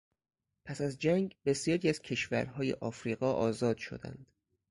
پس از جنگ بسیاری از کشورهای افریقا آزاد شدند.